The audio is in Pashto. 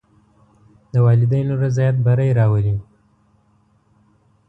د والدینو رضایت بری راولي.